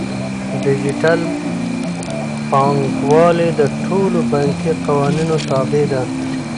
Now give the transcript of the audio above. ډیجیټل بانکوالي د ټولو بانکي قوانینو تابع ده.